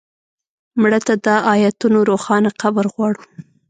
مړه ته د آیتونو روښانه قبر غواړو